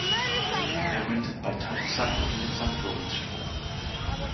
Er mündet bei Tadoussac in den Sankt-Lorenz-Strom.